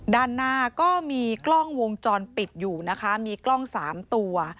ด้านหน้าก็มีกล้องวงจรปิดอยู่นะคะมีกล้อง๓ตัว